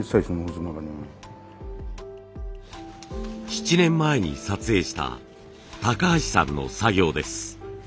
７年前に撮影した橋さんの作業です。